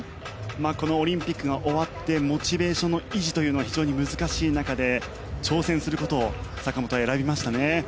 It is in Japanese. このオリンピックが終わってモチベーションの維持というのが非常に難しい中で挑戦することを坂本は選びましたね。